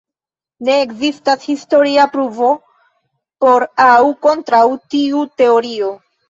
Ne ekzistas historia pruvo por aŭ kontraŭ tiu teorio.